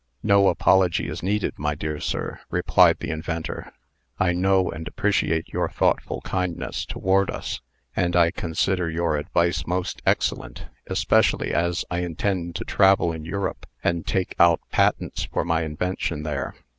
"No apology is needed, my dear sir," replied the inventor "I know and appreciate your thoughtful kindness toward us; and I consider your advice most excellent, especially as I intend to travel in Europe, and take out patents for my invention there.